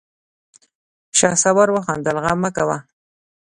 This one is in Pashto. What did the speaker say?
شهسوار وخندل: غم مه کوه!